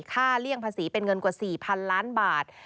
เลี่ยงภาษีเป็นเงินกว่า๔๐๐๐ล้านบาท